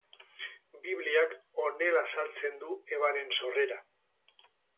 Bibliak honela azaltzen du Evaren sorrera.